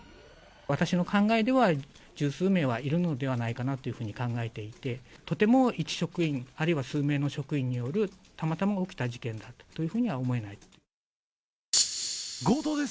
私の考えでは、十数名はいるのではないかなというふうに考えていて、とても一職員、あるいは数名の職員によるたまたま起きた事件だというふうには思強盗です。